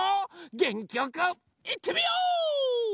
げんきよくいってみよう！